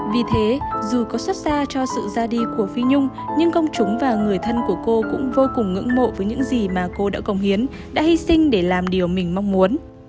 vì thế dù có xuất xa cho sự ra đi của phi nhung nhưng công chúng và người thân của cô cũng vô cùng ngưỡng mộ với những gì mà cô đã công hiến đã hy sinh để làm điều mình mong muốn